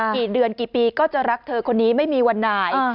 กี่เดือนกี่ปีก็จะรักเธอคนนี้ไม่มีวันไหน